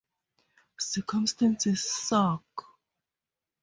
Circumstances suck.